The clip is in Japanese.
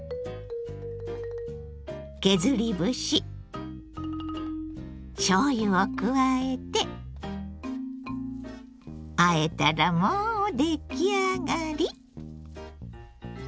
削り節しょうゆを加えてあえたらもう出来上がり！